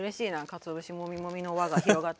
かつお節モミモミの輪が広がって。